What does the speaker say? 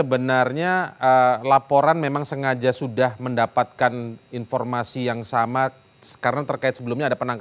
berita terkini mengenai cuaca ekstrem dua ribu dua puluh satu di jepang